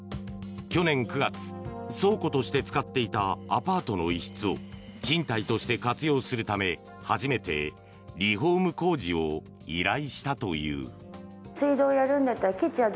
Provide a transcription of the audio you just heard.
去年９月、倉庫として使っていたアパートの一室を賃貸として活用するため初めてリフォーム工事を依頼したという。